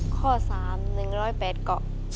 ข้อสามหนึ่งร้อยแปดเกาะ